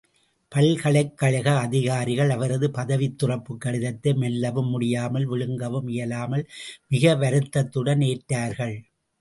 பல்கலைக்கழக அதிகாரிகள் அவரது பதவித் துறப்புக் கடிதத்தை மெல்லவும் முடியாமல் விழுங்கவும் இயலாமல் மிக வருத்தத்துடன் ஏற்றார்கள்.